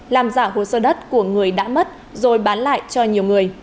làm giả hồ sơ đất của người đã mất rồi bán lại cho nhiều người